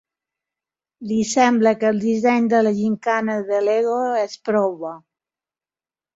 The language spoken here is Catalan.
Li sembla que el disseny de la gimcana de L'Ego és prou bo.